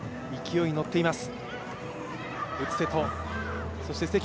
勢いに乗っています。